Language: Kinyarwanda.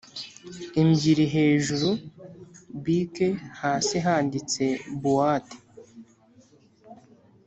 embyiri hejuru bk hasi handitse buwate